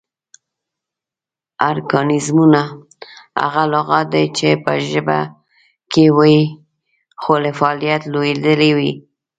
ارکانیزمونه: هغه لغات دي چې پۀ ژبه کې وي خو لۀ فعالیت لویدلي وي